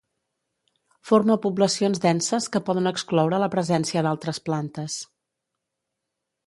Forma poblacions denses que poden excloure la presència d'altres plantes.